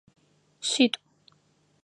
Шъитӏу.